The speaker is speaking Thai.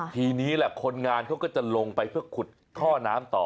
ทีนี้แหละคนงานเขาก็จะลงไปเพื่อขุดท่อน้ำต่อ